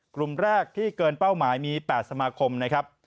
กลุ่มแรกที่เกินเป้าหมายมี๘สมาคมนะครับ